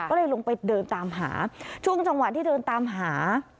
ก็เลยลงไปเดินตามหาช่วงจังหวะที่เดินตามหา